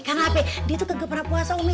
karena apa dia tuh gagah pernah puasa umi